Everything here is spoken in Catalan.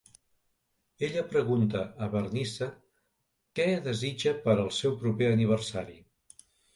Ella pregunta a Bernice què desitja per al seu proper aniversari.